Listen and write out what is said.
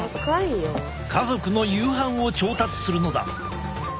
家族の夕飯を調達するのだ。